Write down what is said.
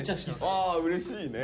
あうれしいね。